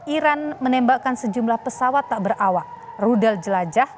iran menembakkan sejumlah pesawat tak berawak rudal jelajah